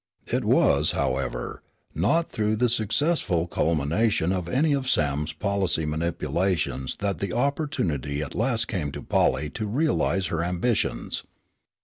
It was, however, not through the successful culmination of any of Sam's policy manipulations that the opportunity at last came to Polly to realize her ambitions.